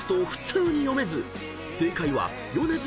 ［正解は］